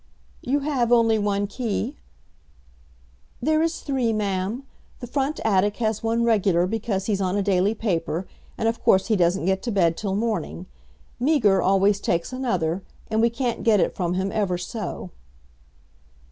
"You have only one key." "There is three, Ma'am. The front attic has one regular because he's on a daily paper, and of course he doesn't get to bed till morning. Meager always takes another, and we can't get it from him ever so."